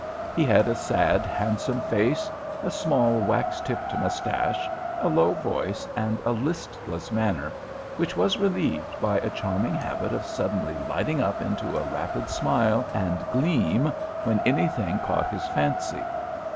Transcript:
He had a sad, handsome face, a small wax tipped moustache, a low voice and a listless manner, which was relieved by a charming habit of suddenly lighting up into a rapid smile and gleam when anything caught his fancy.